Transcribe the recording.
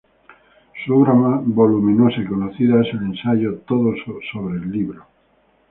Su obra más voluminosa y conocida es el ensayo "Todo sobre el libro.